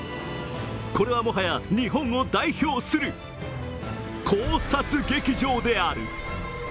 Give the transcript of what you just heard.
これはもはや日本を代表する考察劇場である。